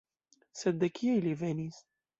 Sed de kie ili venis?